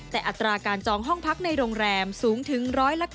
แต่อัตราการจองห้องพักในโรงแรมสูงถึง๑๙